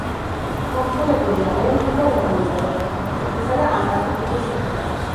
გავრცელებული არიან მთელ დედამიწაზე, არქტიკისა და ანტარქტიკის გარდა.